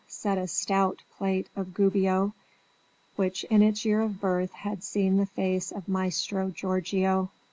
said a stout plate of Gubbio, which in its year of birth had seen the face of Maestro Giorgio.